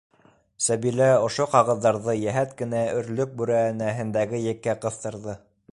Сәбилә ошо ҡағыҙҙарҙы йәһәт кенә өрлөк бүрәнәһендәге еккә ҡыҫтырҙы.